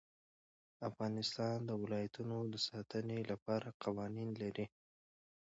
افغانستان د ولایتونو د ساتنې لپاره قوانین لري.